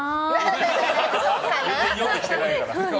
読んできてないから。